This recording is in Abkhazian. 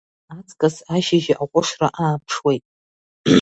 Ахәылԥазы аҵкыс ашьыжь аҟәышра ааԥшуеит.